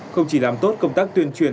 không chỉ làm tốt công tác tuyên truyền